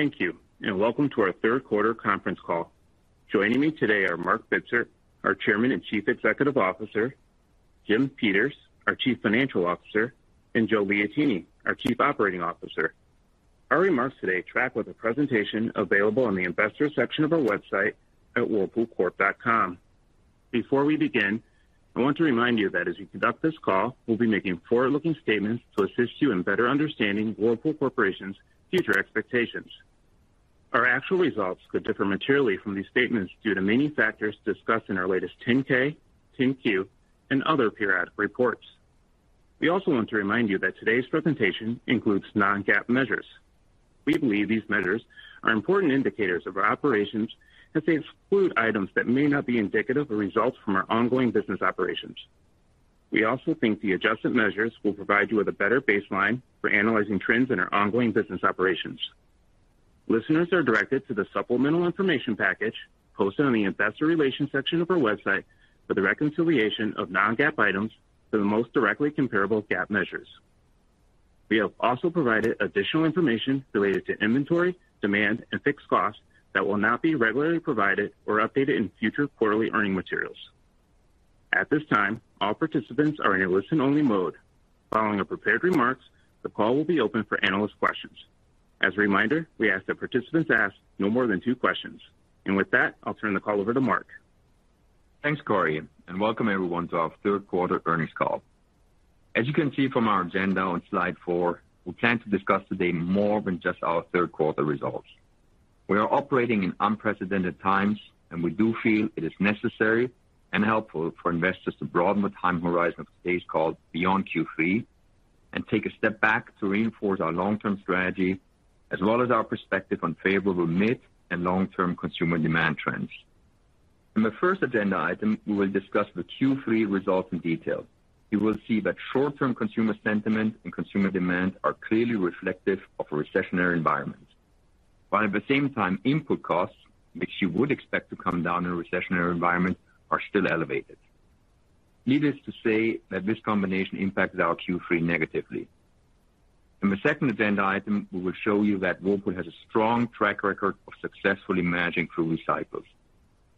Thank you, and welcome to our third quarter conference call. Joining me today are Marc Bitzer, our Chairman and Chief Executive Officer, Jim Peters, our Chief Financial Officer, and Joe Liotine, our Chief Operating Officer. Our remarks today track with a presentation available on the investor section of our website at whirlpoolcorp.com. Before we begin, I want to remind you that as we conduct this call, we'll be making forward-looking statements to assist you in better understanding Whirlpool Corporation's future expectations. Our actual results could differ materially from these statements due to many factors discussed in our latest 10-K, 10-Q, and other periodic reports. We also want to remind you that today's presentation includes non-GAAP measures. We believe these measures are important indicators of our operations as they exclude items that may not be indicative of results from our ongoing business operations. We also think the adjusted measures will provide you with a better baseline for analyzing trends in our ongoing business operations. Listeners are directed to the supplemental information package posted on the investor relations section of our website for the reconciliation of non-GAAP items for the most directly comparable GAAP measures. We have also provided additional information related to inventory, demand, and fixed costs that will not be regularly provided or updated in future quarterly earnings materials. At this time, all participants are in a listen-only mode. Following our prepared remarks, the call will be open for analyst questions. As a reminder, we ask that participants ask no more than two questions. With that, I'll turn the call over to Marc. Thanks, Corey, and welcome everyone to our third quarter earnings call. As you can see from our agenda on slide four, we plan to discuss today more than just our third quarter results. We are operating in unprecedented times, and we do feel it is necessary and helpful for investors to broaden the time horizon of today's call beyond Q3 and take a step back to reinforce our long-term strategy, as well as our perspective on favorable mid and long-term consumer demand trends. In the first agenda item, we will discuss the Q3 results in detail. You will see that short-term consumer sentiment and consumer demand are clearly reflective of a recessionary environment. While at the same time, input costs, which you would expect to come down in a recessionary environment, are still elevated. Needless to say that this combination impacted our Q3 negatively. In the second agenda item, we will show you that Whirlpool has a strong track record of successfully managing through cycles.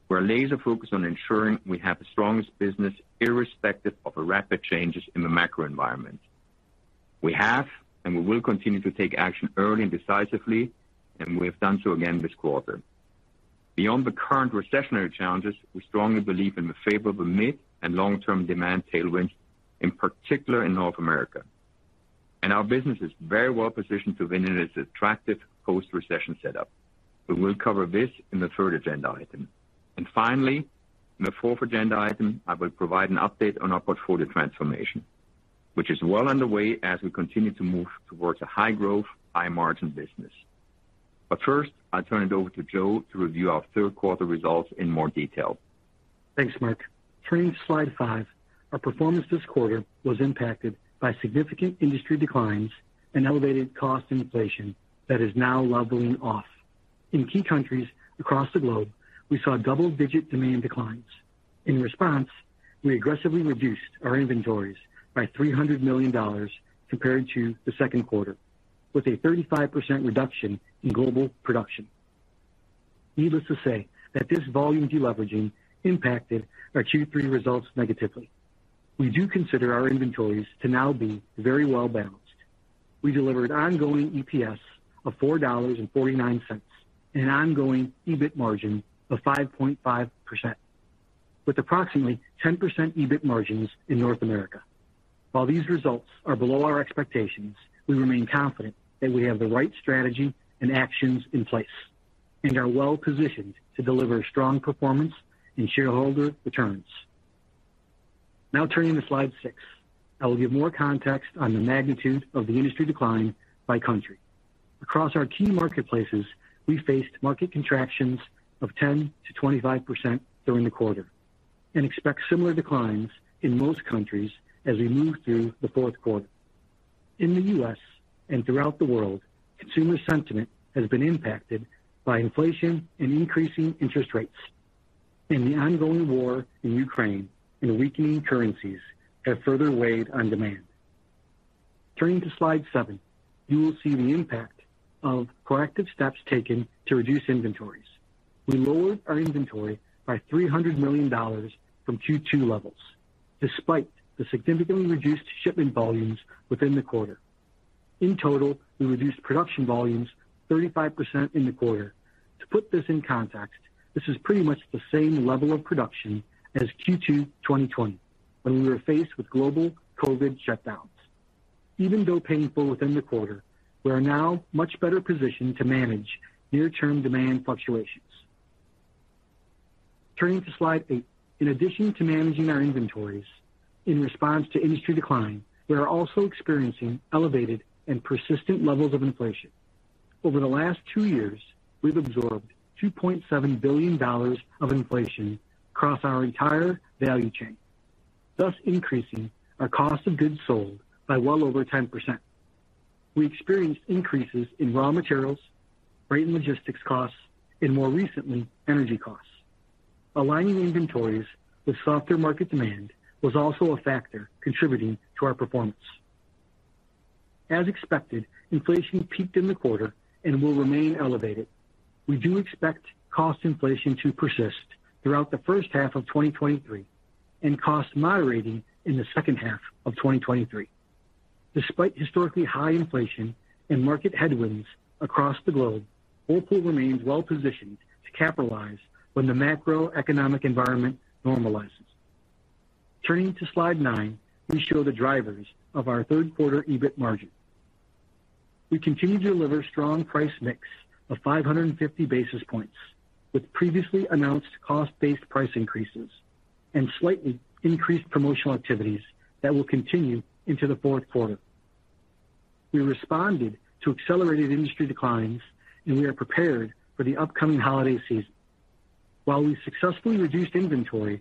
We're laser-focused on ensuring we have the strongest business irrespective of the rapid changes in the macro environment. We have, and we will continue to take action early and decisively, and we have done so again this quarter. Beyond the current recessionary challenges, we strongly believe in the favorable mid and long-term demand tailwinds, in particular in North America. Our business is very well-positioned to win in this attractive post-recession setup. We will cover this in the third agenda item. Finally, in the fourth agenda item, I will provide an update on our portfolio transformation, which is well underway as we continue to move towards a high-growth, high-margin business. First, I'll turn it over to Joe to review our third quarter results in more detail. Thanks, Marc. Turning to slide five, our performance this quarter was impacted by significant industry declines and elevated cost inflation that is now leveling off. In key countries across the globe, we saw double-digit demand declines. In response, we aggressively reduced our inventories by $300 million compared to the second quarter, with a 35% reduction in global production. Needless to say that this volume deleveraging impacted our Q3 results negatively. We do consider our inventories to now be very well-balanced. We delivered ongoing EPS of $4.49 and an ongoing EBIT margin of 5.5%, with approximately 10% EBIT margins in North America. While these results are below our expectations, we remain confident that we have the right strategy and actions in place and are well-positioned to deliver strong performance and shareholder returns. Now turning to slide six, I will give more context on the magnitude of the industry decline by country. Across our key marketplaces, we faced market contractions of 10%-25% during the quarter and expect similar declines in most countries as we move through the fourth quarter. In the U.S. and throughout the world, consumer sentiment has been impacted by inflation and increasing interest rates, and the ongoing war in Ukraine and weakening currencies have further weighed on demand. Turning to slide seven, you will see the impact of corrective steps taken to reduce inventories. We lowered our inventory by $300 million from Q2 levels, despite the significantly reduced shipment volumes within the quarter. In total, we reduced production volumes 35% in the quarter. To put this in context, this is pretty much the same level of production as Q2 2020, when we were faced with global COVID shutdowns. Even though painful within the quarter, we are now much better positioned to manage near-term demand fluctuations. Turning to slide eight. In addition to managing our inventories in response to industry decline, we are also experiencing elevated and persistent levels of inflation. Over the last two years, we've absorbed $2.7 billion of inflation across our entire value chain, thus increasing our cost of goods sold by well over 10%. We experienced increases in raw materials, freight and logistics costs, and more recently, energy costs. Aligning inventories with softer market demand was also a factor contributing to our performance. As expected, inflation peaked in the quarter and will remain elevated. We do expect cost inflation to persist throughout the first half of 2023, and cost moderating in the second half of 2023. Despite historically high inflation and market headwinds across the globe, Whirlpool remains well-positioned to capitalize when the macroeconomic environment normalizes. Turning to slide nine, we show the drivers of our third quarter EBIT margin. We continue to deliver strong price mix of 550 basis points with previously announced cost-based price increases and slightly increased promotional activities that will continue into the fourth quarter. We responded to accelerated industry declines, and we are prepared for the upcoming holiday season. While we successfully reduced inventory,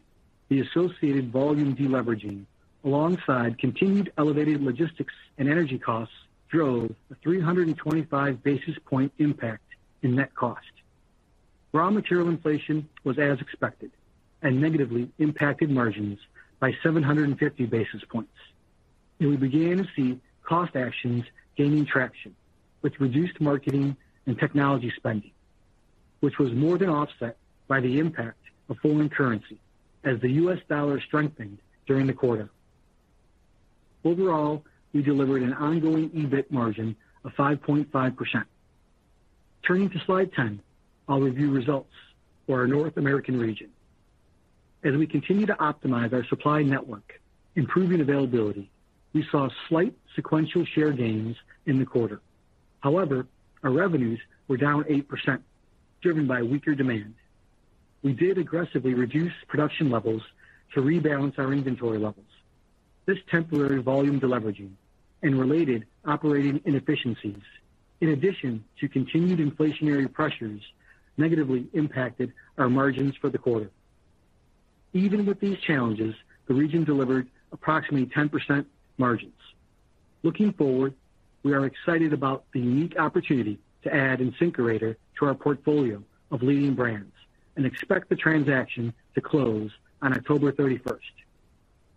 the associated volume deleveraging, alongside continued elevated logistics and energy costs, drove a 325 basis point impact in net cost. Raw material inflation was as expected and negatively impacted margins by 750 basis points. We began to see cost actions gaining traction, which reduced marketing and technology spending, which was more than offset by the impact of foreign currency as the U.S. dollar strengthened during the quarter. Overall, we delivered an ongoing EBIT margin of 5.5%. Turning to slide 10, I'll review results for our North American region. As we continue to optimize our supply network, improving availability, we saw slight sequential share gains in the quarter. However, our revenues were down 8%, driven by weaker demand. We did aggressively reduce production levels to rebalance our inventory levels. This temporary volume deleveraging and related operating inefficiencies, in addition to continued inflationary pressures, negatively impacted our margins for the quarter. Even with these challenges, the region delivered approximately 10% margins. Looking forward, we are excited about the unique opportunity to add InSinkErator to our portfolio of leading brands, and expect the transaction to close on October 31st.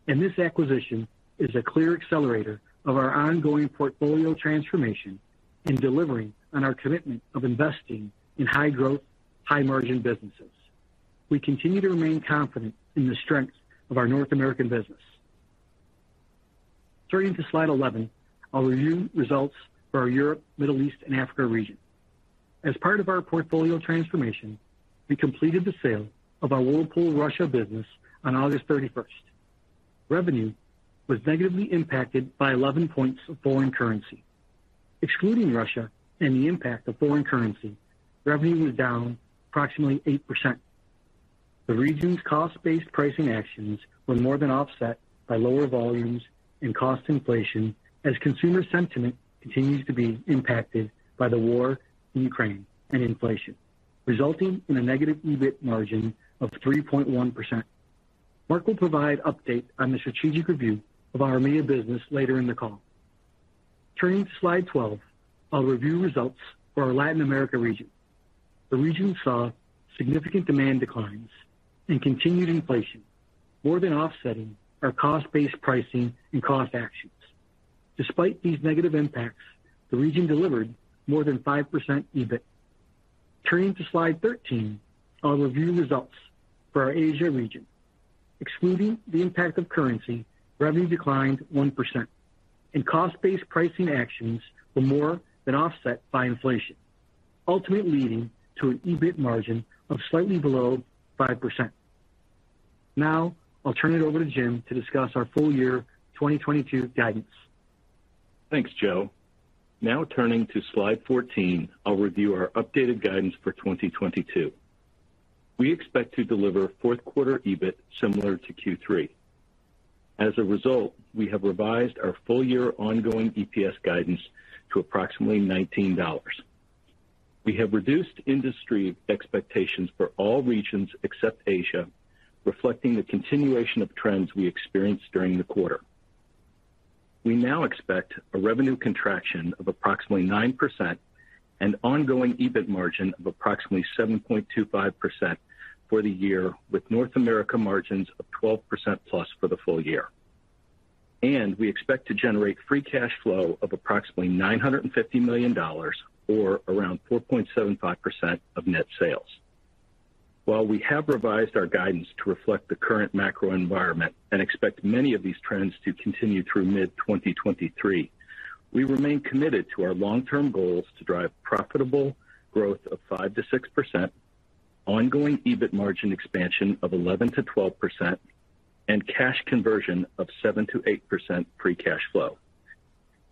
This acquisition is a clear accelerator of our ongoing portfolio transformation in delivering on our commitment of investing in high-growth, high-margin businesses. We continue to remain confident in the strength of our North American business. Turning to slide 11, I'll review results for our Europe, Middle East, and Africa region. As part of our portfolio transformation, we completed the sale of our Whirlpool Russia business on August 31st. Revenue was negatively impacted by 11 points of foreign currency. Excluding Russia and the impact of foreign currency, revenue was down approximately 8%. The region's cost-based pricing actions were more than offset by lower volumes and cost inflation as consumer sentiment continues to be impacted by the war in Ukraine and inflation, resulting in a negative EBIT margin of 3.1%. Marc will provide update on the strategic review of our EMEA business later in the call. Turning to slide 12, I'll review results for our Latin America region. The region saw significant demand declines and continued inflation more than offsetting our cost-based pricing and cost actions. Despite these negative impacts, the region delivered more than 5% EBIT. Turning to slide 13, I'll review results for our Asia region. Excluding the impact of currency, revenue declined 1% and cost-based pricing actions were more than offset by inflation, ultimately leading to an EBIT margin of slightly below 5%. Now, I'll turn it over to Jim to discuss our full year 2022 guidance. Thanks, Joe. Now turning to slide 14, I'll review our updated guidance for 2022. We expect to deliver fourth quarter EBIT similar to Q3. As a result, we have revised our full year ongoing EPS guidance to approximately $19. We have reduced industry expectations for all regions except Asia, reflecting the continuation of trends we experienced during the quarter. We now expect a revenue contraction of approximately 9% and ongoing EBIT margin of approximately 7.25% for the year, with North America margins of 12%+ for the full year. We expect to generate free cash flow of approximately $950 million or around 4.75% of net sales. While we have revised our guidance to reflect the current macro environment and expect many of these trends to continue through mid-2023, we remain committed to our long-term goals to drive profitable growth of 5%-6%, ongoing EBIT margin expansion of 11%-12%, and cash conversion of 7%-8% free cash flow.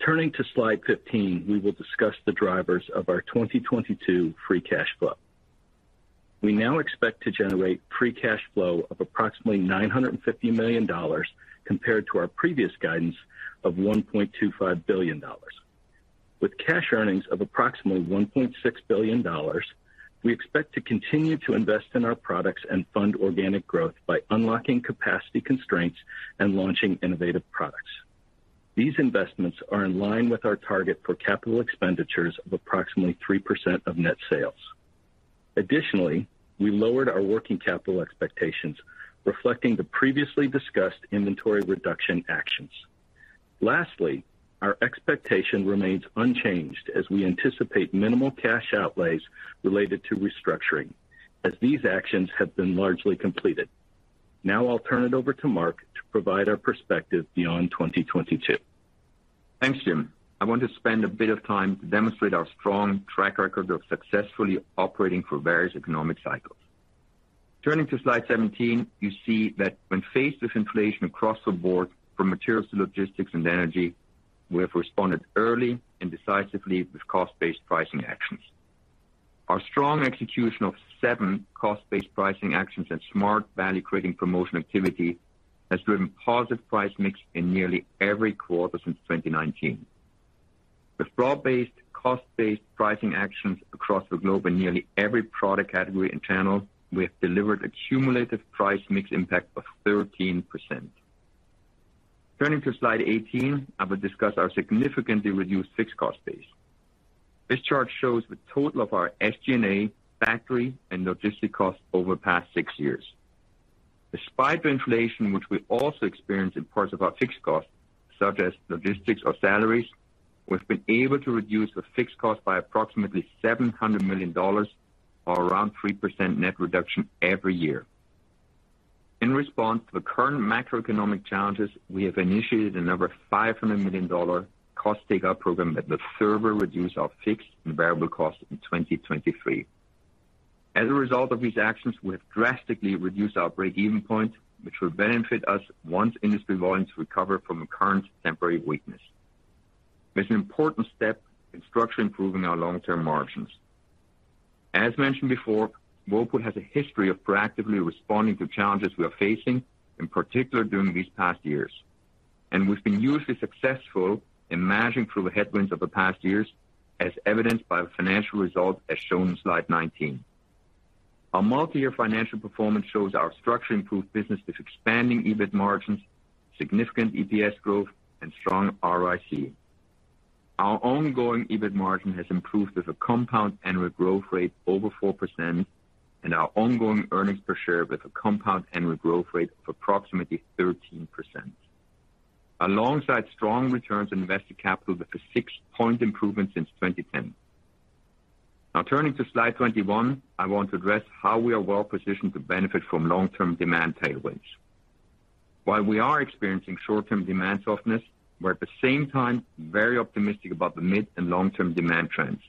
Turning to slide 15, we will discuss the drivers of our 2022 free cash flow. We now expect to generate free cash flow of approximately $950 million compared to our previous guidance of $1.25 billion. With cash earnings of approximately $1.6 billion, we expect to continue to invest in our products and fund organic growth by unlocking capacity constraints and launching innovative products. These investments are in line with our target for capital expenditures of approximately 3% of net sales. Additionally, we lowered our working capital expectations, reflecting the previously discussed inventory reduction actions. Lastly, our expectation remains unchanged as we anticipate minimal cash outlays related to restructuring, as these actions have been largely completed. Now I'll turn it over to Marc to provide our perspective beyond 2022. Thanks, Jim. I want to spend a bit of time to demonstrate our strong track record of successfully operating through various economic cycles. Turning to slide 17, you see that when faced with inflation across the board from materials to logistics and energy, we have responded early and decisively with cost-based pricing actions. Our strong execution of seven cost-based pricing actions and smart value-creating promotion activity has driven positive price mix in nearly every quarter since 2019. With broad-based, cost-based pricing actions across the globe in nearly every product category and channel, we have delivered a cumulative price mix impact of 13%. Turning to slide 18, I will discuss our significantly reduced fixed cost base. This chart shows the total of our SG&A, factory, and logistics costs over the past six years. Despite the inflation, which we also experienced in parts of our fixed costs, such as logistics or salaries, we've been able to reduce the fixed cost by approximately $700 million or around 3% net reduction every year. In response to the current macroeconomic challenges, we have initiated another $500 million cost takeout program that will further reduce our fixed and variable costs in 2023. As a result of these actions, we have drastically reduced our breakeven point, which will benefit us once industry volumes recover from the current temporary weakness. This is an important step in structurally improving our long-term margins. As mentioned before, Whirlpool has a history of proactively responding to challenges we are facing, in particular during these past years, and we've been usually successful in managing through the headwinds of the past years, as evidenced by the financial results as shown in slide 19. Our multi-year financial performance shows our structurally improved business with expanding EBIT margins, significant EPS growth, and strong ROIC. Our ongoing EBIT margin has improved with a compound annual growth rate over 4% and our ongoing earnings per share with a compound annual growth rate of approximately 13%. Alongside strong returns on invested capital with a 6-point improvement since 2010. Now turning to slide 21, I want to address how we are well-positioned to benefit from long-term demand tailwinds. While we are experiencing short-term demand softness, we're at the same time very optimistic about the mid and long-term demand trends,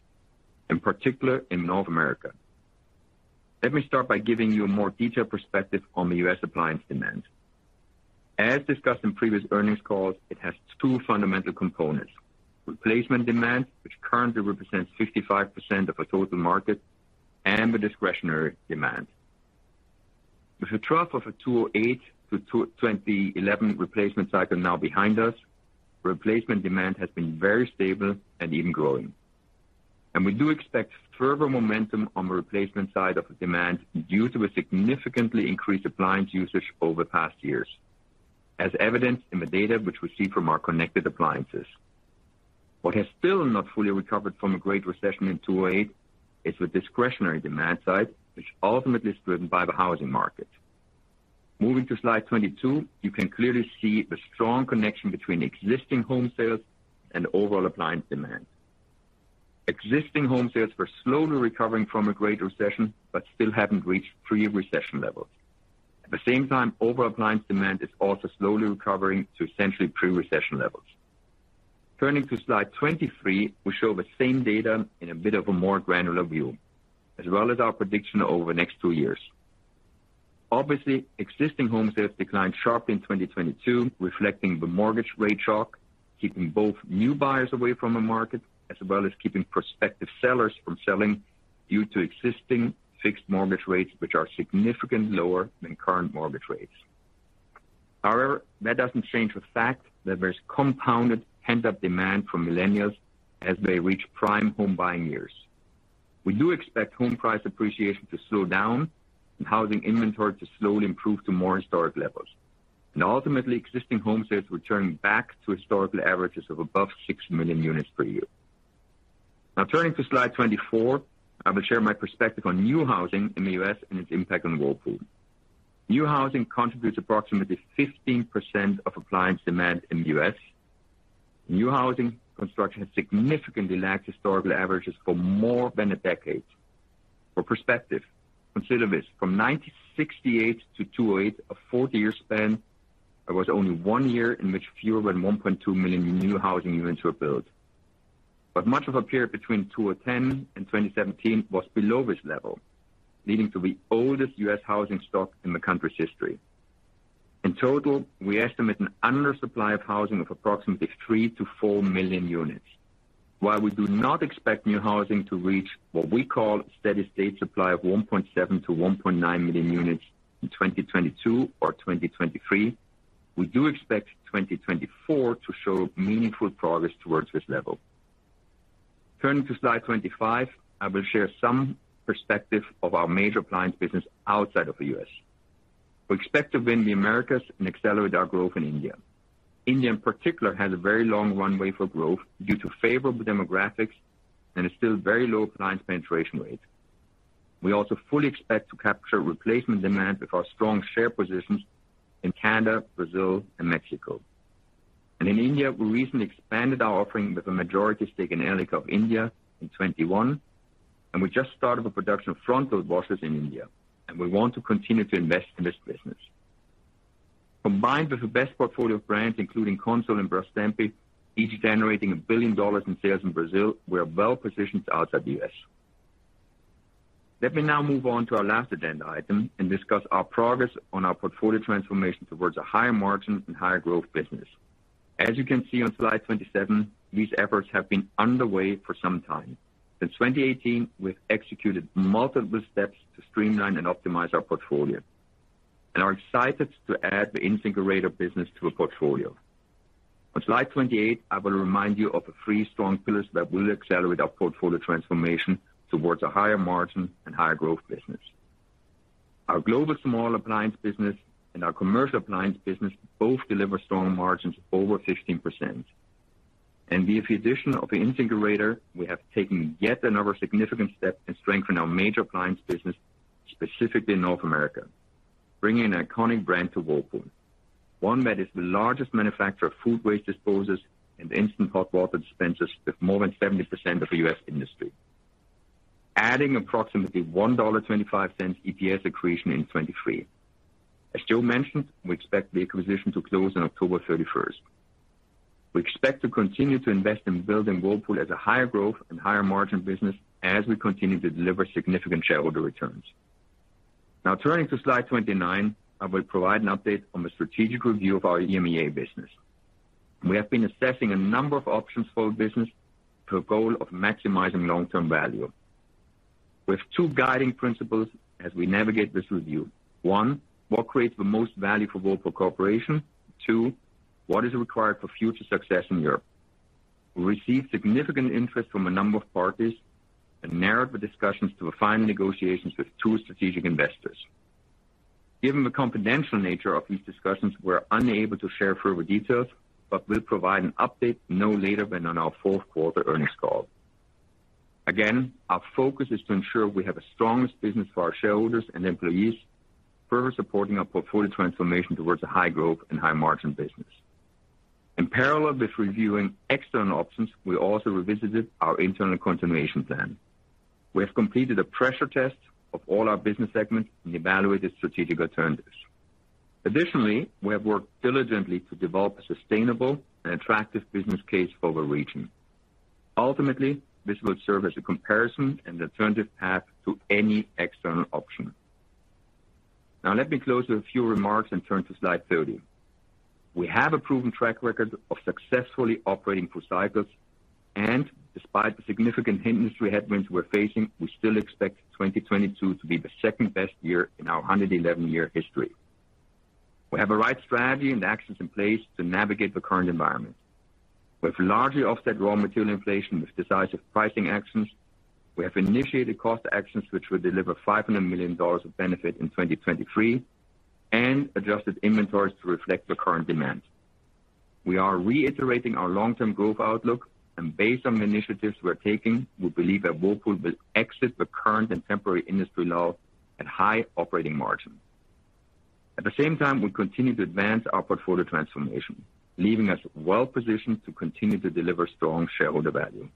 in particular in North America. Let me start by giving you a more detailed perspective on the U.S. appliance demand. As discussed in previous earnings calls, it has two fundamental components: replacement demand, which currently represents 55% of the total market, and the discretionary demand. With the trough of the 2008-2011 replacement cycle now behind us, replacement demand has been very stable and even growing. We do expect further momentum on the replacement side of the demand due to a significantly increased appliance usage over the past years, as evidenced in the data which we see from our connected appliances. What has still not fully recovered from the Great Recession in 2008 is the discretionary demand side, which ultimately is driven by the housing market. Moving to slide 22, you can clearly see the strong connection between existing home sales and overall appliance demand. Existing home sales were slowly recovering from the Great Recession, but still haven't reached pre-recession levels. At the same time, overall appliance demand is also slowly recovering to essentially pre-recession levels. Turning to slide 23, we show the same data in a bit of a more granular view, as well as our prediction over the next two years. Obviously, existing home sales declined sharply in 2022, reflecting the mortgage rate shock, keeping both new buyers away from the market, as well as keeping prospective sellers from selling due to existing fixed mortgage rates, which are significantly lower than current mortgage rates. However, that doesn't change the fact that there's compounded pent-up demand from millennials as they reach prime home buying years. We do expect home price appreciation to slow down and housing inventory to slowly improve to more historic levels, and ultimately, existing home sales returning back to historical averages of above 6 million units per year. Now, turning to slide 24, I will share my perspective on new housing in the U.S. and its impact on Whirlpool. New housing contributes approximately 15% of appliance demand in the U.S. New housing construction has significantly lagged historical averages for more than a decade. For perspective, consider this, from 1968 to 2008, a 40-year span, there was only one year in which fewer than 1.2 million new housing units were built. Much of a period between 2010 and 2017 was below this level, leading to the oldest U.S. housing stock in the country's history. In total, we estimate an undersupply of housing of approximately 3 million-4 million units. While we do not expect new housing to reach what we call steady-state supply of 1.7 million-1.9 million units in 2022 or 2023, we do expect 2024 to show meaningful progress towards this level. Turning to slide 25, I will share some perspective of our major appliance business outside of the U.S. We expect to win the Americas and accelerate our growth in India. India in particular has a very long runway for growth due to favorable demographics and a still very low client penetration rate. We also fully expect to capture replacement demand with our strong share positions in Canada, Brazil and Mexico. In India, we recently expanded our offering with a majority stake in Elica of India in 2021, and we just started the production of front load washers in India, and we want to continue to invest in this business. Combined with the best portfolio of brands, including Consul and Brastemp, each generating $1 billion in sales in Brazil, we are well-positioned outside the U.S. Let me now move on to our last agenda item and discuss our progress on our portfolio transformation towards a higher margin and higher growth business. As you can see on slide 27, these efforts have been underway for some time. Since 2018, we've executed multiple steps to streamline and optimize our portfolio, and are excited to add the InSinkErator business to a portfolio. On slide 28, I will remind you of the three strong pillars that will accelerate our portfolio transformation towards a higher margin and higher growth business. Our global small appliance business and our commercial appliance business both deliver strong margins over 15%. With the addition of the InSinkErator, we have taken yet another significant step and strengthened our major appliance business, specifically in North America, bringing an iconic brand to Whirlpool, one that is the largest manufacturer of food waste disposers and instant hot water dispensers with more than 70% of the U.S. industry, adding approximately $1.25 EPS accretion in 2023. As Joe mentioned, we expect the acquisition to close on October 31st. We expect to continue to invest in building Whirlpool as a higher growth and higher margin business as we continue to deliver significant shareholder returns. Now turning to slide 29, I will provide an update on the strategic review of our EMEA business. We have been assessing a number of options for our business to a goal of maximizing long-term value. With two guiding principles as we navigate this review. One, what creates the most value for Whirlpool Corporation? Two, what is required for future success in Europe? We received significant interest from a number of parties and narrowed the discussions to refine negotiations with two strategic investors. Given the confidential nature of these discussions, we're unable to share further details, but will provide an update no later than on our fourth quarter earnings call. Again, our focus is to ensure we have the strongest business for our shareholders and employees, further supporting our portfolio transformation towards a high growth and high margin business. In parallel with reviewing external options, we also revisited our internal continuation plan. We have completed a pressure test of all our business segments and evaluated strategic alternatives. Additionally, we have worked diligently to develop a sustainable and attractive business case for the region. Ultimately, this will serve as a comparison and alternative path to any external option. Now let me close with a few remarks and turn to slide 30. We have a proven track record of successfully operating through cycles, and despite the significant industry headwinds we're facing, we still expect 2022 to be the second-best year in our 111-year history. We have the right strategy and actions in place to navigate the current environment. We have largely offset raw material inflation with decisive pricing actions. We have initiated cost actions which will deliver $500 million of benefit in 2023, and adjusted inventories to reflect the current demand. We are reiterating our long-term growth outlook, and based on the initiatives we're taking, we believe that Whirlpool will exit the current and temporary industry low at high operating margin. At the same time, we continue to advance our portfolio transformation, leaving us well-positioned to continue to deliver strong shareholder value.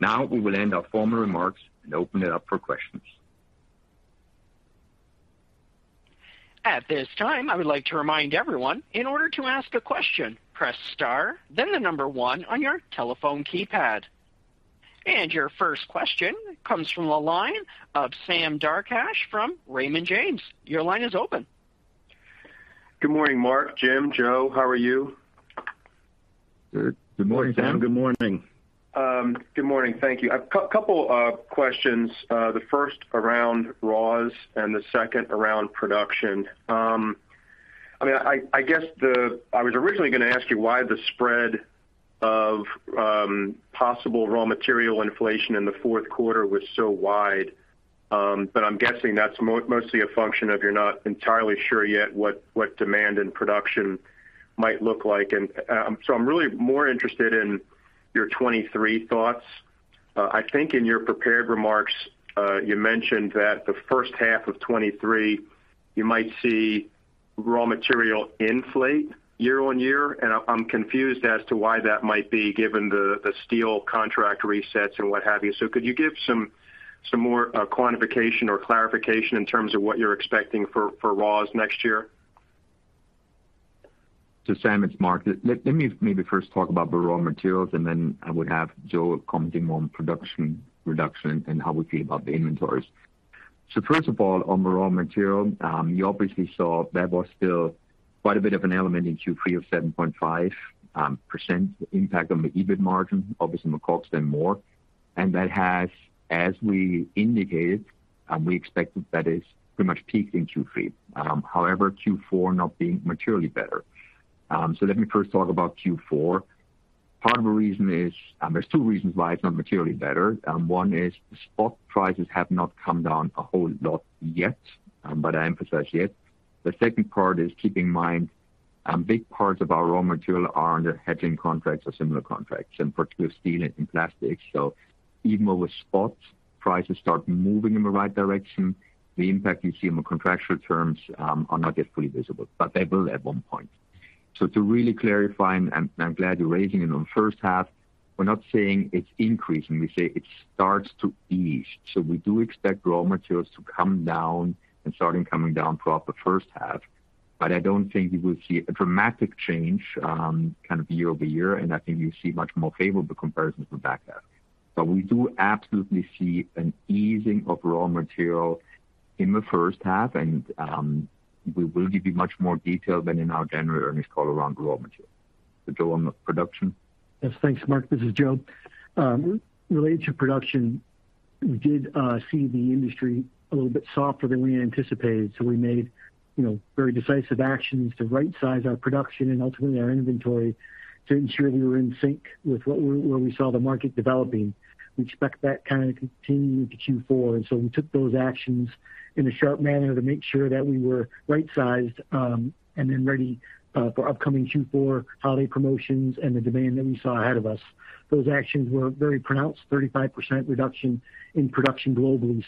Now we will end our formal remarks and open it up for questions. At this time, I would like to remind everyone, in order to ask a question, press star, then the number one on your telephone keypad. Your first question comes from the line of Sam Darkatsh from Raymond James. Your line is open. Good morning, Marc, Jim, Joe, how are you? Good morning, Sam. Good morning. Good morning. Thank you. A couple questions. The first around raws and the second around production. I mean, I guess I was originally gonna ask you why the spread of possible raw material inflation in the fourth quarter was so wide, but I'm guessing that's mostly a function of you're not entirely sure yet what demand and production might look like. I'm really more interested in your 2023 thoughts. I think in your prepared remarks, you mentioned that the first half of 2023, you might see raw material inflate year-over-year, and I'm confused as to why that might be given the steel contract resets and what have you. Could you give some more quantification or clarification in terms of what you're expecting for raws next year? Sam, it's Marc. Let me maybe first talk about the raw materials, and then I would have Joe commenting on production reduction and how we feel about the inventories. First of all, on the raw material, you obviously saw there was still quite a bit of an element in Q3 of 7.5% impact on the EBIT margin, obviously in the COGS and more. That has, as we indicated, we expected that is pretty much peaked in Q3. However, Q4 not being materially better. Let me first talk about Q4. Part of the reason is, there's two reasons why it's not materially better. One is the spot prices have not come down a whole lot yet, but I emphasize yet. The second part is keep in mind, big parts of our raw material are under hedging contracts or similar contracts, in particular steel and plastics. Even though spot prices start moving in the right direction, the impact you see on the contractual terms are not yet fully visible, but they will at one point. To really clarify, and I'm glad you're raising it. On the first half, we're not saying it's increasing. We say it starts to ease. We do expect raw materials to come down and starting coming down throughout the first half. I don't think you will see a dramatic change, kind of year-over-year, and I think you'll see much more favorable comparisons with back half. We do absolutely see an easing of raw material in the first half. We will give you much more detail than in our January earnings call around raw material. Joe, on production. Yes, thanks, Marc. This is Joe. Related to production, we did see the industry a little bit softer than we anticipated, so we made, you know, very decisive actions to rightsize our production and ultimately our inventory to ensure we were in sync with where we saw the market developing. We expect that kind of continuing to Q4, and so we took those actions in a sharp manner to make sure that we were rightsized, and then ready for upcoming Q4 holiday promotions and the demand that we saw ahead of us. Those actions were very pronounced, 35% reduction in production globally.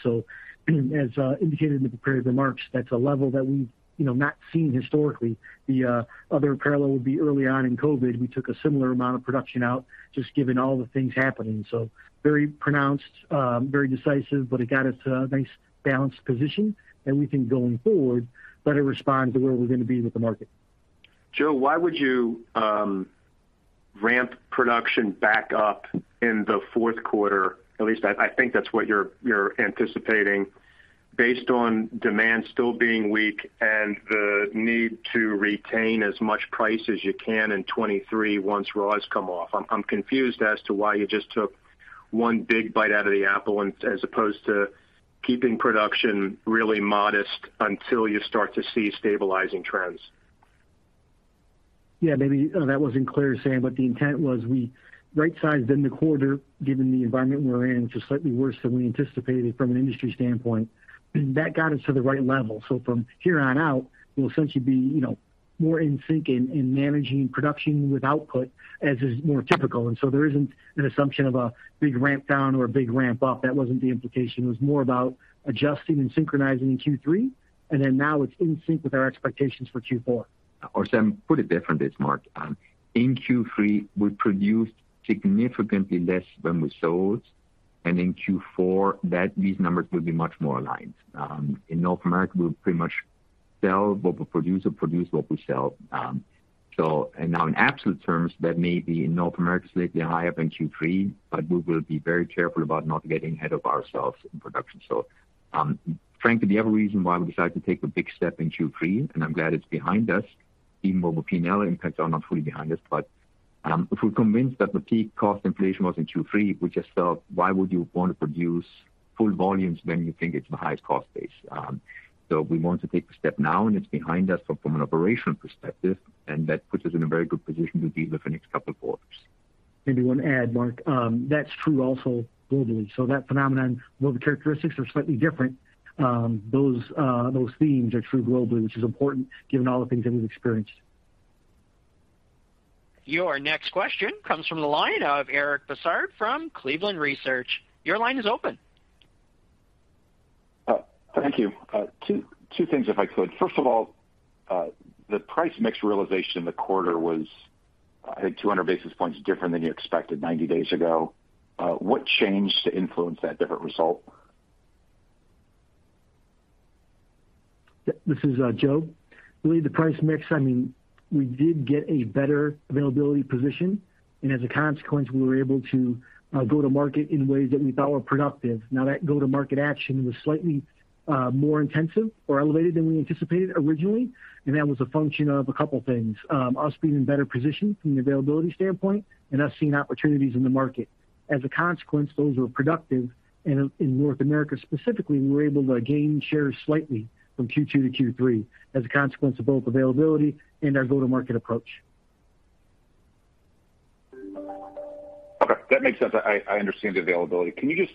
As indicated in the prepared remarks, that's a level that we've, you know, not seen historically. The other parallel would be early on in COVID. We took a similar amount of production out just given all the things happening. Very pronounced, very decisive, but it got us a nice balanced position and we think going forward, better respond to where we're gonna be with the market. Joe, why would you ramp production back up in the fourth quarter? At least I think that's what you're anticipating based on demand still being weak and the need to retain as much price as you can in 2023 once raws come off. I'm confused as to why you just took one big bite out of the apple as opposed to keeping production really modest until you start to see stabilizing trends. Yeah, maybe, that wasn't clear, Sam, but the intent was we rightsized in the quarter, given the environment we're in, which is slightly worse than we anticipated from an industry standpoint. That got us to the right level. From here on out, we'll essentially be you know, more in sync in managing production with output as is more typical. There isn't an assumption of a big ramp down or a big ramp up. That wasn't the implication. It was more about adjusting and synchronizing in Q3, and then now it's in sync with our expectations for Q4. Sam, put it differently, Marc. In Q3, we produced significantly less than we sold, and in Q4, these numbers will be much more aligned. In North America, we'll pretty much sell what we produce or produce what we sell. And now in absolute terms, that may be in North America, slightly higher than Q3, but we will be very careful about not getting ahead of ourselves in production. Frankly, the other reason why we decided to take a big step in Q3, and I'm glad it's behind us, even though the P&L impacts are not fully behind us, but if we're convinced that the peak cost inflation was in Q3, we just felt why would you want to produce full volumes when you think it's the highest cost base? We want to take the step now and it's behind us from an operational perspective, and that puts us in a very good position to deal with the next couple of quarters. Maybe one add, Marc. That's true also globally. That phenomenon, while the characteristics are slightly different, those themes are true globally, which is important given all the things that we've experienced. Your next question comes from the line of Eric Bosshard from Cleveland Research. Your line is open. Thank you. Two things if I could. First of all, the price mix realization in the quarter was, I think 200 basis points different than you expected 90 days ago. What changed to influence that different result? Yeah, this is Joe. I believe the price mix. I mean, we did get a better availability position, and as a consequence, we were able to go to market in ways that we thought were productive. Now, that go-to-market action was slightly more intensive or elevated than we anticipated originally, and that was a function of a couple things. Us being in better position from the availability standpoint and us seeing opportunities in the market. As a consequence, those were productive. In North America specifically, we were able to gain share slightly from Q2 to Q3 as a consequence of both availability and our go-to-market approach. Okay, that makes sense. I understand the availability. Can you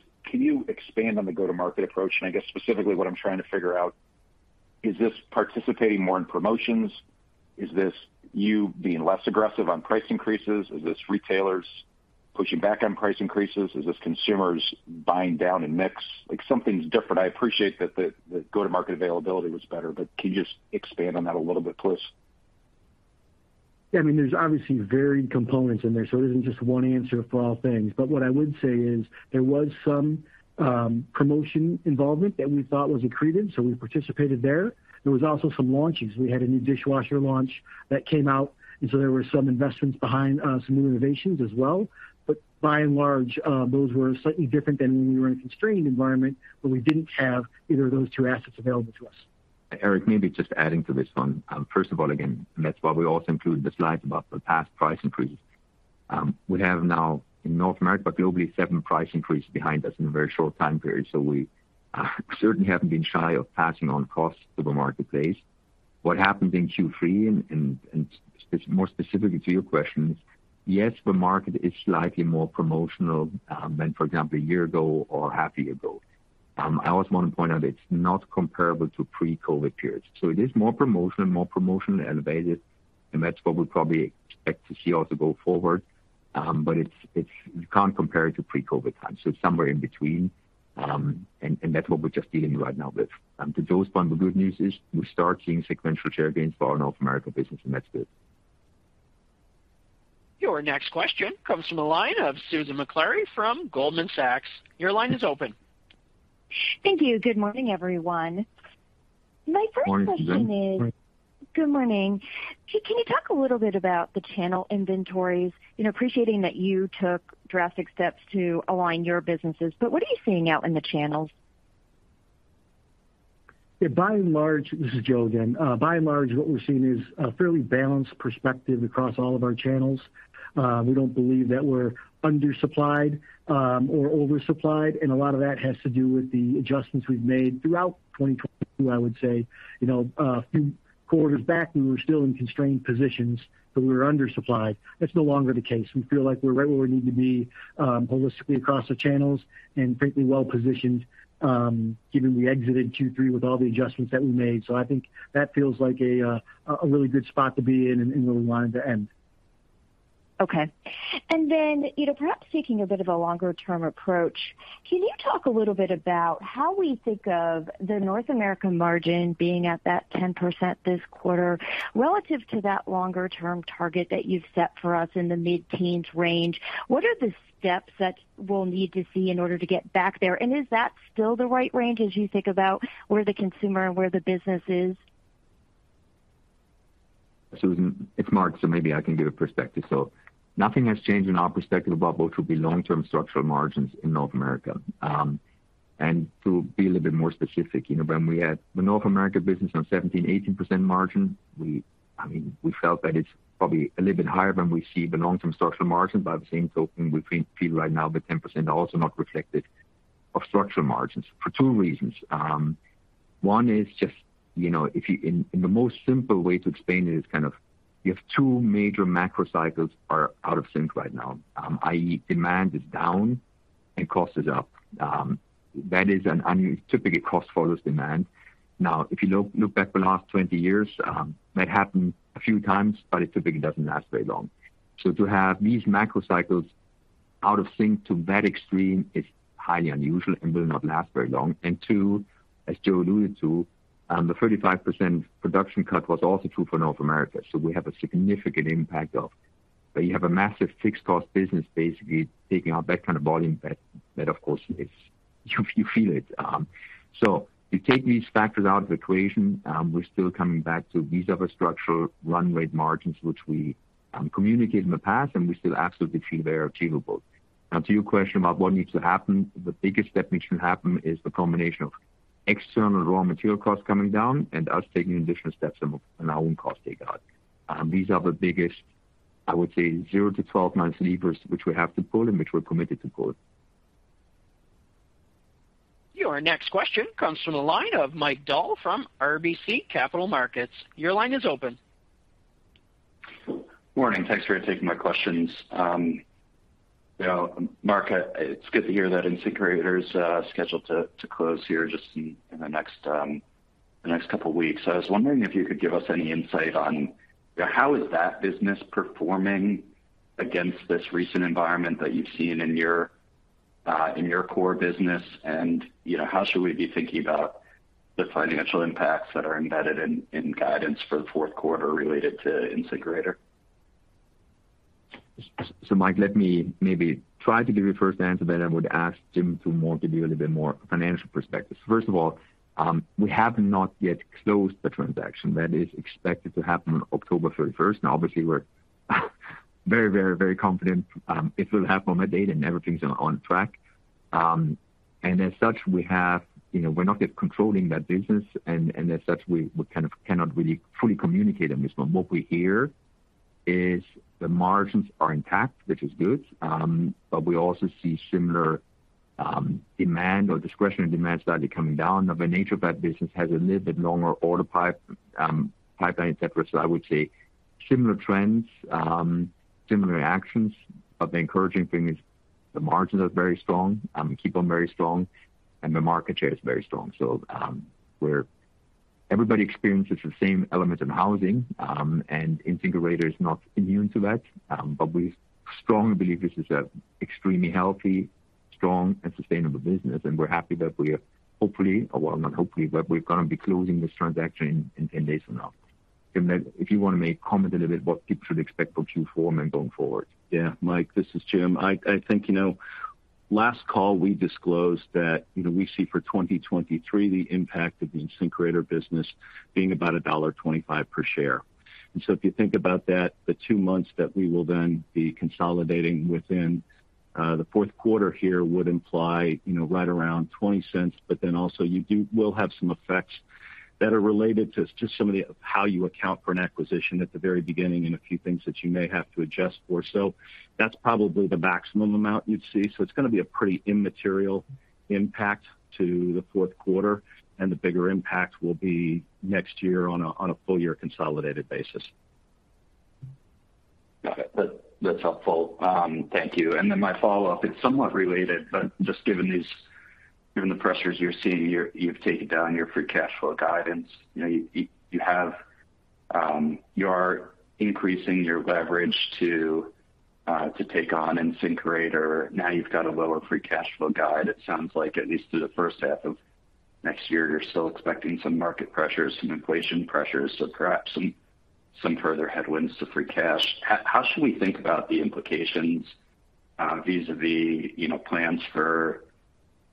expand on the go-to-market approach? I guess specifically what I'm trying to figure out, is this participating more in promotions? Is this you being less aggressive on price increases? Is this retailers pushing back on price increases? Is this consumers buying down in mix? Like, something's different. I appreciate that the go-to-market availability was better, but can you expand on that a little bit, please? Yeah. I mean, there's obviously varied components in there, so it isn't just one answer for all things. What I would say is there was some promotion involvement that we thought was accretive, so we participated there. There was also some launches. We had a new dishwasher launch that came out, and so there were some investments behind some new innovations as well. By and large, those were slightly different than when we were in a constrained environment where we didn't have either of those two assets available to us. Eric, maybe just adding to this one. First of all, again, that's why we also include the slide about the past price increases. We have now in North America, globally, seven price increases behind us in a very short time period. We certainly haven't been shy of passing on costs to the marketplace. What happened in Q3 and more specifically to your question is, yes, the market is slightly more promotional than, for example, a year ago or half a year ago. I also want to point out it's not comparable to pre-COVID periods. It is more promotional, more promotions elevated, and that's what we probably expect to see also go forward. It's you can't compare it to pre-COVID times. Somewhere in between, that's what we're just dealing right now with. To Joe's point, the good news is we start seeing sequential share gains for our North American business, and that's good. Your next question comes from the line of Susan Maklari from Goldman Sachs. Your line is open. Thank you. Good morning, everyone. Morning, Susan. Good morning. Can you talk a little bit about the channel inventories? You know, appreciating that you took drastic steps to align your businesses, but what are you seeing out in the channels? Yeah, by and large. This is Joe again. By and large, what we're seeing is a fairly balanced perspective across all of our channels. We don't believe that we're undersupplied or oversupplied, and a lot of that has to do with the adjustments we've made throughout 2022, I would say. You know, a few quarters back, we were still in constrained positions, but we were undersupplied. That's no longer the case. We feel like we're right where we need to be, holistically across the channels and frankly well-positioned, given we exited Q3 with all the adjustments that we made. I think that feels like a really good spot to be in and where we wanted to end. Okay. You know, perhaps taking a bit of a longer-term approach, can you talk a little bit about how we think of the North American margin being at that 10% this quarter relative to that longer-term target that you've set for us in the mid-teens range? What are the steps that we'll need to see in order to get back there? And is that still the right range as you think about where the consumer and where the business is? Susan, it's Marc, so maybe I can give a perspective. Nothing has changed in our perspective about what should be long-term structural margins in North America. To be a little bit more specific, you know, when we had the North America business on 17%-18% margin, I mean, we felt that it's probably a little bit higher than we see the long-term structural margin. By the same token, we feel right now the 10% are also not reflective of structural margins for two reasons. One is just, you know, in the most simple way to explain it is kind of you have two major macro cycles are out of sync right now, i.e., demand is down and cost is up. That is, typically, cost follows demand. Now, if you look back the last 20 years, that happened a few times, but it typically doesn't last very long. To have these macro cycles out of sync to that extreme is highly unusual and will not last very long. Two, as Joe alluded to, the 35% production cut was also true for North America. We have a significant impact of. You have a massive fixed cost business basically taking out that kind of volume that of course is, you feel it. You take these factors out of the equation, we're still coming back to these are the structural run rate margins which we communicated in the past, and we still absolutely feel they are achievable. Now to your question about what needs to happen, the biggest step that should happen is the combination of external raw material costs coming down and us taking additional steps on our own cost take out. These are the biggest, I would say, 0-12-month levers which we have to pull and which we're committed to pull. Your next question comes from the line of Mike Dahl from RBC Capital Markets. Your line is open. Morning. Thanks for taking my questions. You know, Marc, it's good to hear that InSinkErator is scheduled to close here just in the next couple of weeks. I was wondering if you could give us any insight on how that business is performing against this recent environment that you've seen in your core business? You know, how should we be thinking about the financial impacts that are embedded in guidance for the fourth quarter related to InSinkErator? Mike, let me maybe try to give you first answer, then I would ask Jim to more give you a little bit more financial perspective. First of all, we have not yet closed the transaction. That is expected to happen on October 31st. Now, obviously, we're very confident it will happen on that date and everything's on track. As such, we have, you know, we're not yet controlling that business. As such, we kind of cannot really fully communicate on this one. What we hear is the margins are intact, which is good. We also see similar demand or discretionary demand started coming down. The nature of that business has a little bit longer order pipeline, et cetera. I would say similar trends, similar actions, but the encouraging thing is the margins are very strong, keep them very strong, and the market share is very strong. Everybody experiences the same elements in housing, and InSinkErator is not immune to that. But we strongly believe this is a extremely healthy, strong, and sustainable business, and we're happy that we are hopefully, or well, not hopefully, but we're gonna be closing this transaction in 10 days from now. Jim, if you want to make comment a little bit what people should expect for Q4 and then going forward. Yeah. Mike, this is Jim. I think, you know, last call we disclosed that, you know, we see for 2023 the impact of the InSinkErator business being about $1.25 per share. If you think about that, the two months that we will then be consolidating within the fourth quarter here would imply, you know, right around $0.20. Also you will have some effects that are related to some of the how you account for an acquisition at the very beginning and a few things that you may have to adjust for. That's probably the maximum amount you'd see. It's gonna be a pretty immaterial impact to the fourth quarter, and the bigger impact will be next year on a full year consolidated basis. Got it. That's helpful. Thank you. My follow-up, it's somewhat related, but just given the pressures you're seeing, you've taken down your free cash flow guidance. You are increasing your leverage to take on InSinkErator. Now you've got a lower free cash flow guide. It sounds like at least through the first half of next year, you're still expecting some market pressures, some inflation pressures, so perhaps some further headwinds to free cash. How should we think about the implications vis-`a-vis plans for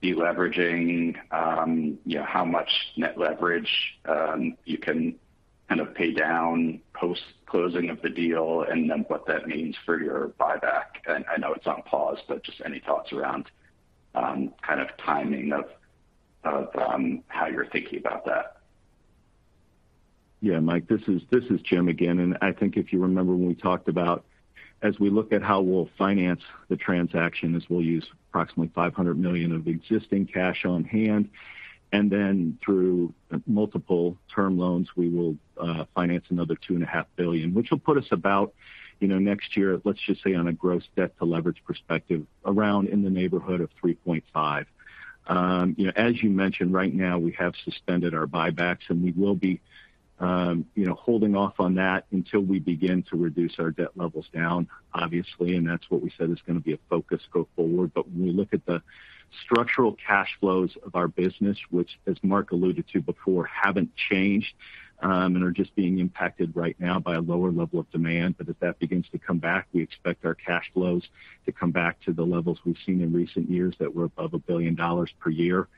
de-leveraging, how much net leverage you can kind of pay down post-closing of the deal and then what that means for your buyback? I know it's on pause, but just any thoughts around, kind of timing of how you're thinking about that. Yeah, Mike, this is Jim again. I think if you remember when we talked about as we look at how we'll finance the transaction is we'll use approximately $500 million of existing cash on hand. Through multiple term loans, we will finance another $2.5 billion, which will put us about, you know, next year, let's just say on a gross debt to leverage perspective, around in the neighborhood of 3.5. You know, as you mentioned, right now we have suspended our buybacks, and we will be, you know, holding off on that until we begin to reduce our debt levels down, obviously. That's what we said is gonna be a focus go forward. When we look at the structural cash flows of our business, which as Marc alluded to before, haven't changed, and are just being impacted right now by a lower level of demand. As that begins to come back, we expect our cash flows to come back to the levels we've seen in recent years that were above $1 billion per year,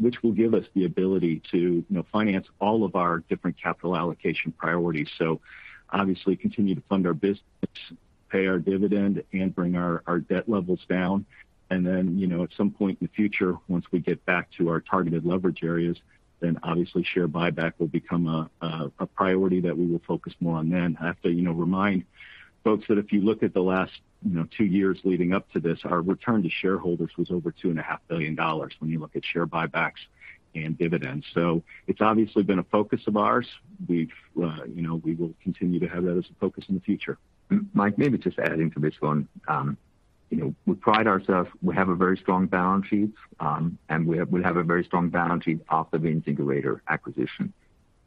which will give us the ability to, you know, finance all of our different capital allocation priorities. Obviously continue to fund our business, pay our dividend, and bring our debt levels down. Then, you know, at some point in the future, once we get back to our targeted leverage areas, then obviously share buyback will become a priority that we will focus more on then. I have to, you know, remind folks that if you look at the last, you know, two years leading up to this, our return to shareholders was over $2.5 billion when you look at share buybacks and dividends. It's obviously been a focus of ours. We've, you know, we will continue to have that as a focus in the future. Mike, maybe just adding to this one. You know, we pride ourselves. We have a very strong balance sheet, and we'll have a very strong balance sheet after the InSinkErator acquisition.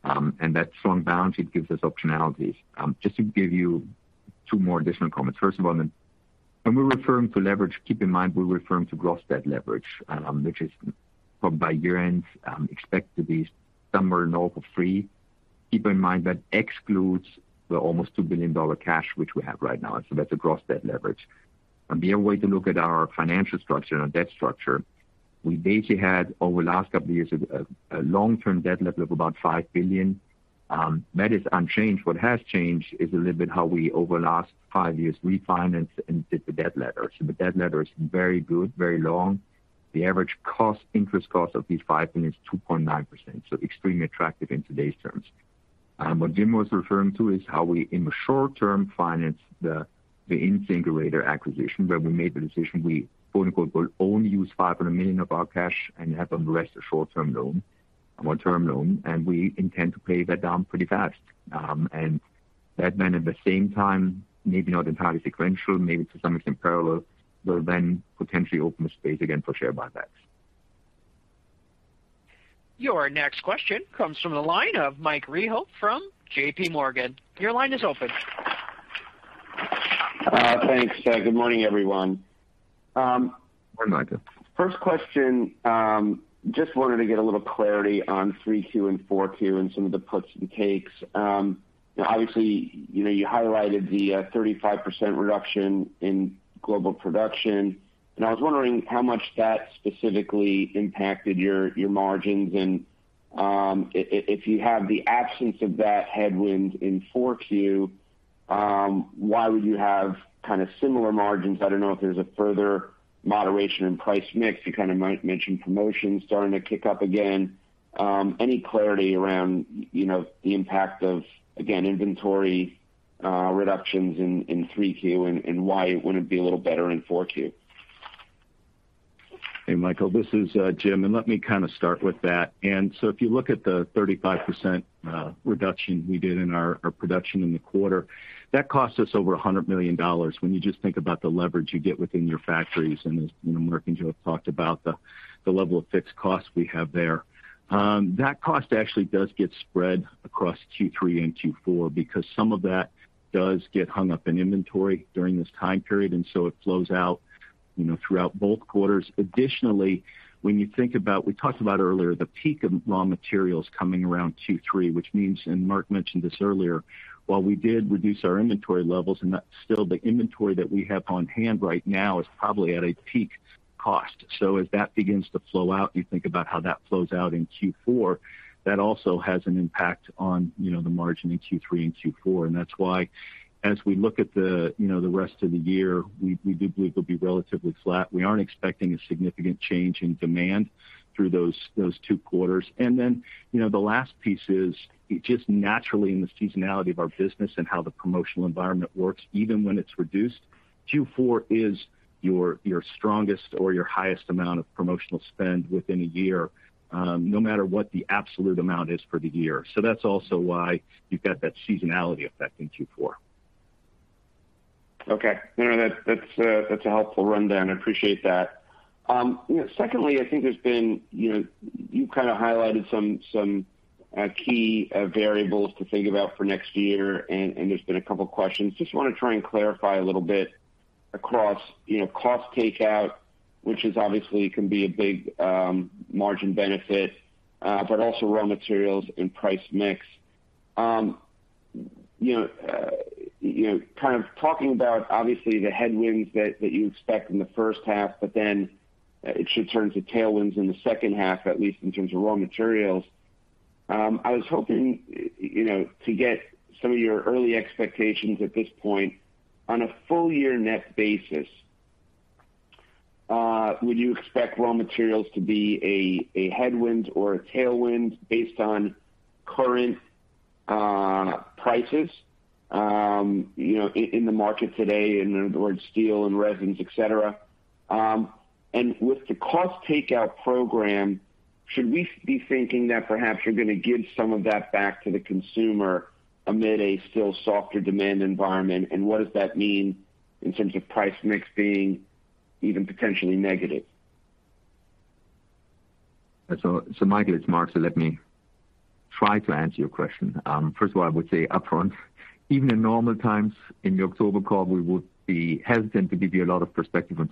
And that strong balance sheet gives us optionality. Just to give you two more additional comments. First of all, when we're referring to leverage, keep in mind we're referring to gross debt leverage, which is by year-end, expect to be somewhere north of three. Keep in mind that excludes the almost $2 billion cash which we have right now. That's a gross debt leverage. The other way to look at our financial structure and our debt structure, we basically had over the last couple of years a long-term debt level of about $5 billion. That is unchanged. What has changed is a little bit how we over the last five years refinanced and did the debt ladder. The debt ladder is very good, very long. The average cost, interest cost of these $5 billion is 2.9%, so extremely attractive in today's terms. What Jim was referring to is how we, in the short term, finance the InSinkErator acquisition, where we made the decision we, quote-unquote, "will only use $500 million of our cash and have the rest a short-term loan or term loan," and we intend to pay that down pretty fast. That then at the same time, maybe not entirely sequential, maybe to some extent parallel, will then potentially open the space again for share buybacks. Your next question comes from the line of Michael Rehaut from JPMorgan. Your line is open. Thanks. Good morning, everyone. Good morning, Mike. First question, just wanted to get a little clarity on 3Q and 4Q and some of the puts and takes. Obviously, you know, you highlighted the 35% reduction in global production, and I was wondering how much that specifically impacted your margins. If you have the absence of that headwind in 4Q, why would you have kind of similar margins? I don't know if there's a further moderation in price mix. You kind of mentioned promotions starting to kick up again. Any clarity around, you know, the impact of, again, inventory reductions in 3Q and why it wouldn't be a little better in 4Q? Hey, Michael, this is Jim, and let me kind of start with that. If you look at the 35% reduction we did in our production in the quarter, that cost us over $100 million. When you just think about the leverage you get within your factories, and as you know, Marc and Joe have talked about the level of fixed costs we have there. That cost actually does get spread across Q3 and Q4 because some of that does get hung up in inventory during this time period, and so it flows out, you know, throughout both quarters. Additionally, when you think about, we talked about earlier the peak of raw materials coming around Q3, which means, and Marc mentioned this earlier, while we did reduce our inventory levels and that's still the inventory that we have on hand right now is probably at a peak cost. As that begins to flow out, you think about how that flows out in Q4. That also has an impact on, you know, the margin in Q3 and Q4. That's why as we look at the, you know, the rest of the year, we do believe it'll be relatively flat. We aren't expecting a significant change in demand through those two quarters. Then, you know, the last piece is just naturally in the seasonality of our business and how the promotional environment works, even when it's reduced. Q4 is your strongest or your highest amount of promotional spend within a year, no matter what the absolute amount is for the year. That's also why you've got that seasonality effect in Q4. Okay. No, that's a helpful rundown. I appreciate that. You know, secondly, you kind of highlighted some key variables to think about for next year, and there's been a couple questions. Just wanna try and clarify a little bit across, you know, cost takeout, which is obviously can be a big margin benefit, but also raw materials and price mix. You know, kind of talking about obviously the headwinds that you expect in the first half, but then it should turn to tailwinds in the second half, at least in terms of raw materials. I was hoping, you know, to get some of your early expectations at this point on a full year net basis. Would you expect raw materials to be a headwind or a tailwind based on current prices, you know, in the market today, in other words, steel and resins, et cetera. With the cost takeout program, should we be thinking that perhaps you're gonna give some of that back to the consumer amid a still softer demand environment? What does that mean in terms of price mix being even potentially negative? Michael, it's Marc, let me try to answer your question. First of all, I would say upfront, even in normal times in the October call, we would be hesitant to give you a lot of perspective on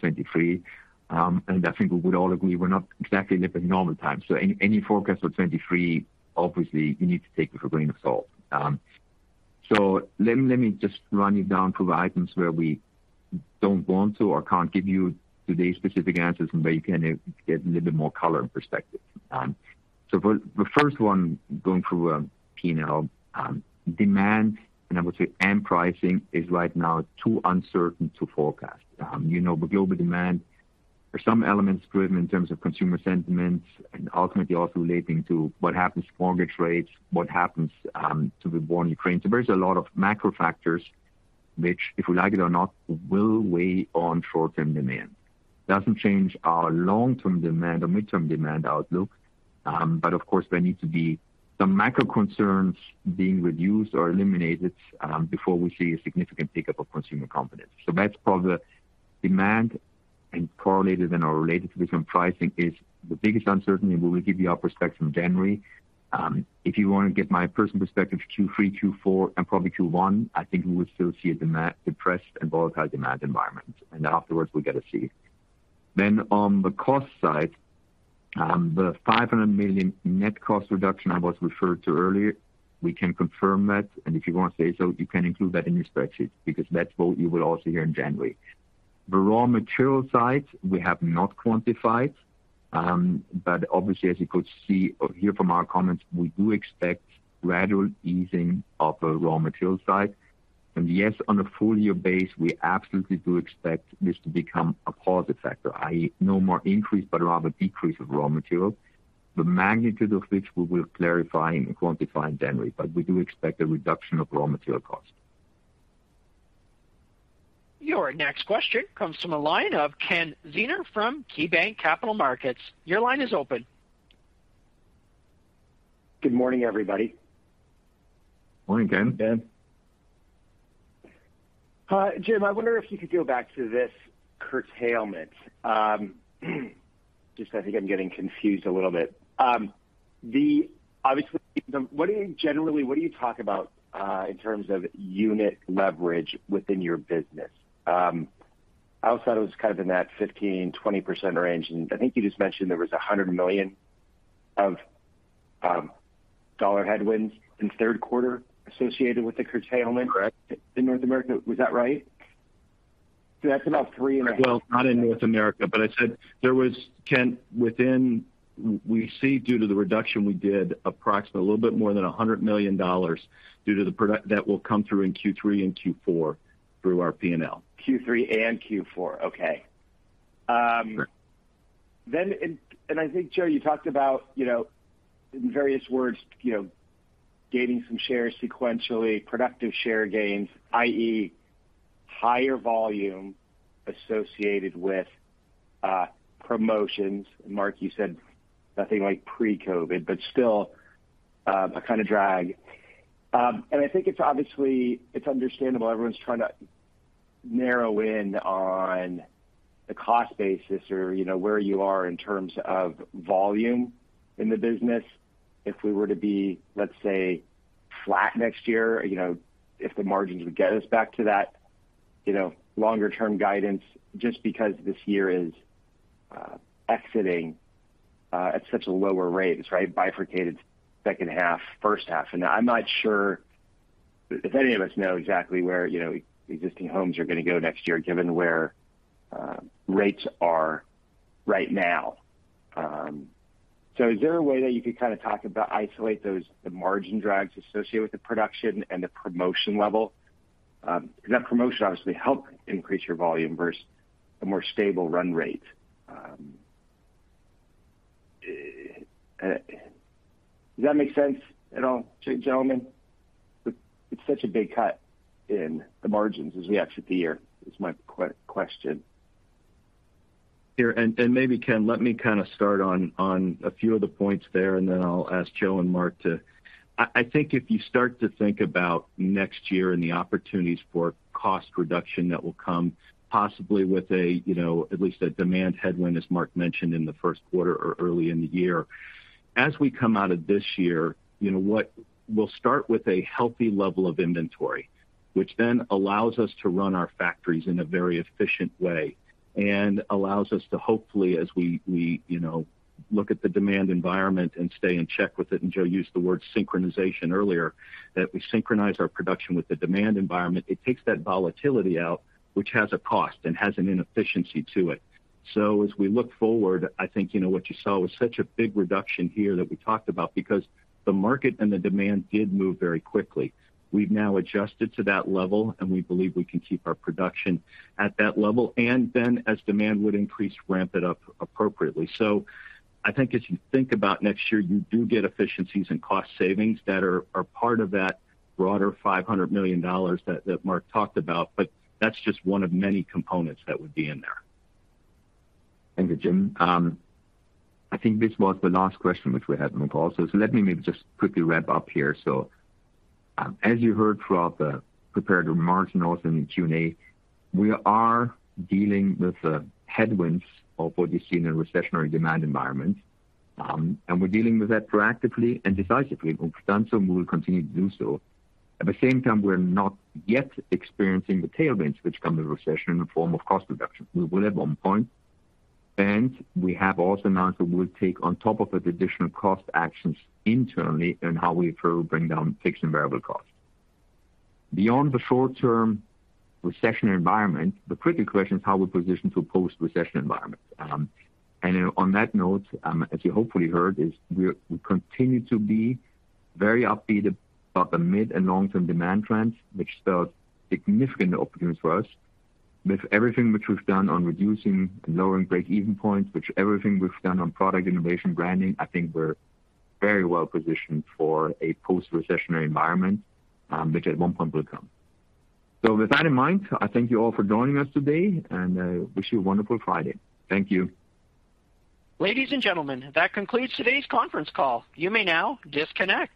2023, and I think we would all agree we're not exactly living normal times. Any forecast for 2023, obviously you need to take with a grain of salt. Let me just run through the items where we don't want to or can't give you today's specific answers, and where you can get a little bit more color and perspective. For the first one, going through P&L, demand, and I would say pricing is right now too uncertain to forecast. You know, with global demand, there's some elements driven in terms of consumer sentiments and ultimately also relating to what happens to mortgage rates, what happens to the war in Ukraine. There's a lot of macro factors which, if we like it or not, will weigh on short-term demand. Doesn't change our long-term demand or midterm demand outlook, but of course there need to be some macro concerns being reduced or eliminated before we see a significant pickup of consumer confidence. That's probably demand and correlated and/or related to different pricing is the biggest uncertainty. We will give you our perspective in January. If you wanna get my personal perspective, Q3, Q4, and probably Q1, I think we would still see a depressed and volatile demand environment. Afterwards we gotta see. On the cost side, the $500 million net cost reduction I was referred to earlier, we can confirm that. If you wanna say so, you can include that in your spreadsheet because that's what you will all see here in January. The raw material side we have not quantified, but obviously, as you could see or hear from our comments, we do expect gradual easing of the raw material side. Yes, on a full-year basis, we absolutely do expect this to become a positive factor. i.e., no more increase, but rather decrease of raw material, the magnitude of which we will clarify and quantify in January. We do expect a reduction of raw material cost. Your next question comes from the line of Ken Zener from KeyBanc Capital Markets. Your line is open. Good morning, everybody. Morning, Ken. Ken. Hi, Jim, I wonder if you could go back to this curtailment. Just I think I'm getting confused a little bit. Obviously, what do you generally talk about in terms of unit leverage within your business? I always thought it was kind of in that 15%-20% range, and I think you just mentioned there was $100 million dollar headwinds in third quarter associated with the curtailment. Correct. -in North America. Was that right? That's about 3.5- Well, not in North America, but I said there was, Ken, we see due to the reduction we did approximately a little bit more than $100 million that will come through in Q3 and Q4 through our P&L. Q3 and Q4. Okay. I think, Joe, you talked about, you know, in various words, you know, gaining some shares sequentially, productive share gains, i.e. higher volume associated with promotions. Marc, you said nothing like pre-COVID, but still a kind of drag. I think it's obviously understandable everyone's trying to narrow in on the cost basis or, you know, where you are in terms of volume in the business. If we were to be, let's say flat next year, you know, if the margins would get us back to that, you know, longer term guidance just because this year is exiting at such a lower rate, right? Bifurcated second half, first half. I'm not sure if any of us know exactly where, you know, existing homes are gonna go next year, given where rates are right now. Is there a way that you could kind of talk about isolate those, the margin drags associated with the production and the promotion level? 'Cause that promotion obviously helped increase your volume versus a more stable run rate. Does that make sense at all, gentlemen? It's such a big cut in the margins as we exit the year is my question. Sure. Maybe, Ken, let me kind of start on a few of the points there, and then I'll ask Joe and Marc to. I think if you start to think about next year and the opportunities for cost reduction that will come possibly with a, you know, at least a demand headwind, as Marc mentioned in the first quarter or early in the year. As we come out of this year, you know, we'll start with a healthy level of inventory, which then allows us to run our factories in a very efficient way and allows us to hopefully, as we, you know, look at the demand environment and stay in check with it, and Joe used the word synchronization earlier, that we synchronize our production with the demand environment. It takes that volatility out, which has a cost and has an inefficiency to it. As we look forward, I think, you know, what you saw was such a big reduction here that we talked about because the market and the demand did move very quickly. We've now adjusted to that level, and we believe we can keep our production at that level, and then as demand would increase, ramp it up appropriately. I think as you think about next year, you do get efficiencies and cost savings that are part of that broader $500 million that Marc talked about, but that's just one of many components that would be in there. Thank you, Jim. I think this was the last question which we had on the call. Let me maybe just quickly wrap up here. As you heard throughout the prepared remarks and also in the Q&A, we are dealing with the headwinds of what you see in a recessionary demand environment, and we're dealing with that proactively and decisively. We've done so, and we will continue to do so. At the same time, we're not yet experiencing the tailwinds which come with recession in the form of cost reduction. We will at one point, and we have also announced that we'll take on top of it additional cost actions internally in how we further bring down fixed and variable costs. Beyond the short-term recession environment, the critical question is how we position to a post-recession environment. On that note, as you hopefully heard, we continue to be very upbeat about the mid and long-term demand trends, which spells significant opportunities for us. With everything which we've done on reducing and lowering break-even points, with everything we've done on product innovation, branding, I think we're very well positioned for a post-recessionary environment, which at one point will come. With that in mind, I thank you all for joining us today and wish you a wonderful Friday. Thank you. Ladies and gentlemen, that concludes today's conference call. You may now disconnect.